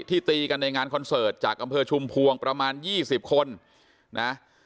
ที่ตีกันในงานจากอำเภอชุมพวงประมาณยี่สิบคน